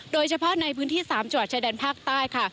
โดยเฉพาะในพื้นที่๓จังหวัดชายแดนภาคใต้ค่ะ